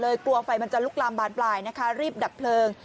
กลัวไฟมันจะลุกลามบานปลายนะคะรีบดับเพลิง